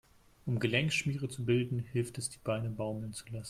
Um Gelenkschmiere zu bilden, hilft es, die Beine baumeln zu lassen.